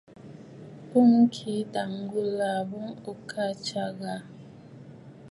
Kùm kɛʼɛ̂ ǹdə̀ ghulà m̀bə ò khə̂ ǹtsya ghâ?